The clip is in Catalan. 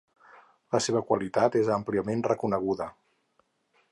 La seva qualitat és àmpliament reconeguda.